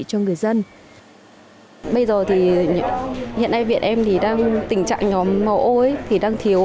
cho người dân bây giờ thì hiện nay viện em thì đang tình trạng nhóm máu o ấy thì đang thiếu